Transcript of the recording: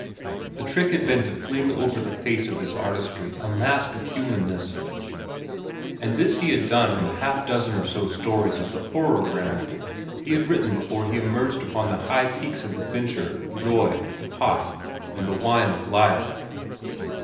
The trick had been to fling over the face of his artistry a mask of humanness, and this he had done in the half dozen or so stories of the horror brand he had written before he emerged upon the high peaks of "Adventure," "Joy," "The Pot," and "The Wine of Life."